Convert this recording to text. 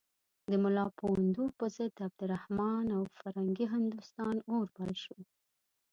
د ملا پوونده پر ضد د عبدالرحمن او فرنګي هندوستان اور بل شو.